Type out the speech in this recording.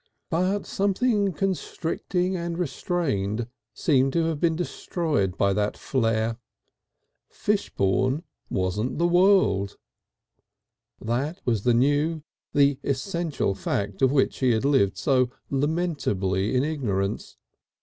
But something constricting and restrained seemed to have been destroyed by that flare. Fishbourne wasn't the world. That was the new, the essential fact of which he had lived so lamentably in ignorance.